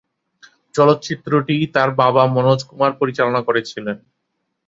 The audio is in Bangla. চলচ্চিত্রটি তার বাবা মনোজ কুমার পরিচালনা করেছিলেন।